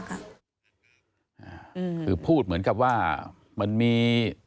คือพูดเหมือนกับว่ามันมี